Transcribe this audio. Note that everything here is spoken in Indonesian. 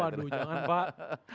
waduh jangan pak